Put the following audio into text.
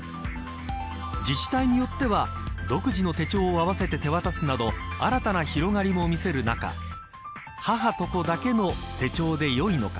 自治体によっては独自の手帳をあわせて手渡すなど新たな広がりも見せる中母と子だけの手帳でよいのか